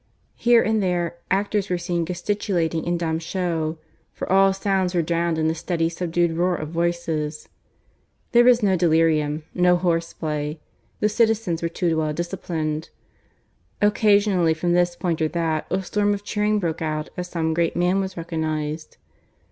Here and there actors were seen gesticulating in dumb show, for all sounds were drowned in the steady subdued roar of voices. There was no delirium, no horse play; the citizens were too well disciplined. Occasionally from this point or that a storm of cheering broke out as some great man was recognized.